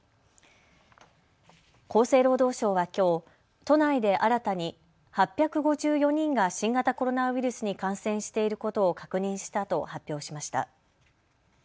厚生労働省はきょう都内で新たに８５４人が新型コロナウイルスに感染していることを確認したと発表しました。